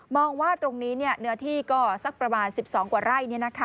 ว่าตรงนี้เนื้อที่ก็สักประมาณ๑๒กว่าไร่